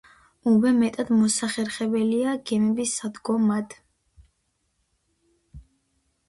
უბე მეტად მოსახერხებელია გემების სადგომად.